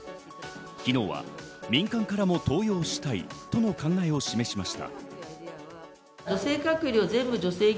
昨日は民間からも登用したいとの考えを示しました。